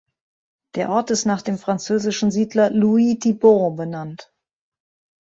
Der Ort ist nach dem französischen Siedler Louis Thibaud benannt.